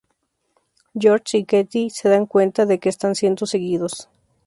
George y Kathy se dan cuenta de que están siendo seguidos.